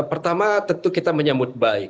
pertama tentu kita menyambut baik